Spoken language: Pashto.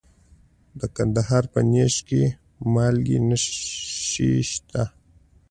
د کندهار په نیش کې د مالګې نښې شته.